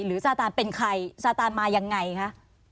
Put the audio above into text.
ซาตานเป็นใครซาตานมายังไงคะ